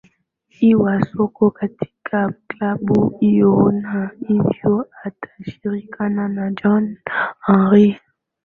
i ya soka katika klabu hiyo na hivyo atashirikiana na john henry